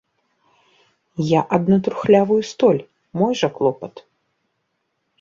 Я адно трухлявую столь, мой жа клопат.